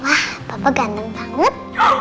wah papa ganteng banget